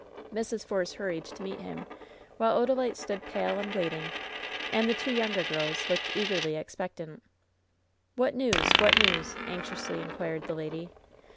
Mrs. Force hurried to meet him, while Odalite stood pale and waiting, and the two younger girls looked eagerly expectant. *^What news ? What news ?" anxiously inquired the lady.